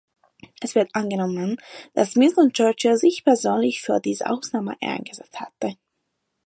Es wird angenommen, dass Winston Churchill sich persönlich für diese Ausnahme eingesetzt hatte.